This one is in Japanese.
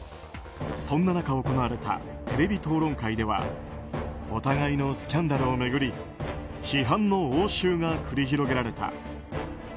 そんな中、行われたテレビ討論会ではお互いのスキャンダルを巡り批判の応酬が繰り広げられた。